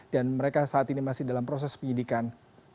dan mereka saat ini masih dalam proses penyidikan